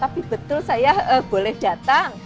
tapi betul saya boleh datang